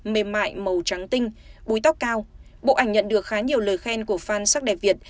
mềm mại màu trắng tinh búi tóc cao bộ ảnh nhận được khá nhiều lời khen của phan sắc đẹp việt